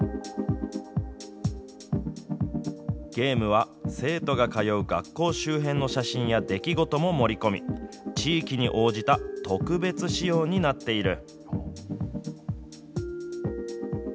ゲームは、生徒が通う学校周辺の写真や出来事も盛り込み、地域に応じた特別仕様になっている。